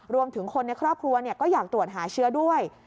รวมถึงคนในครอบครัวก็อยากตรวจหาเชื้อด้วย